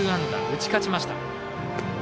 打ち勝ちました。